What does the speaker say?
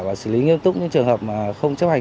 và xử lý nghiêm túc những trường hợp mà không chấp hành